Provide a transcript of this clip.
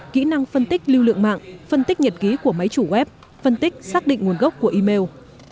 kỹ năng phân tích lưu lượng mạng phân tích nhật ký của máy chủ web phân tích xác định nguồn gốc của email